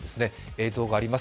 映像があります。